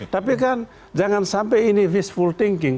tapi kan jangan sampai ini fishful thinking